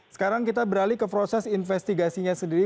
sekarang kita beralih ke proses investigasinya sendiri